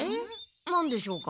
なんでしょうか？